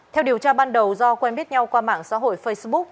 theo điều tra ban đầu do quen biết nhau qua mạng xã hội facebook